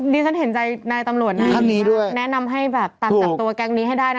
ดิฉันเห็นใจนายตำรวจน่ะแนะนำให้ต่างจากตัวแกรงนี้ให้ได้นะครับครับนี้ด้วย